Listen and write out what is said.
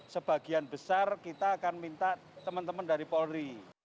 sebagian besar kita akan minta teman teman dari polri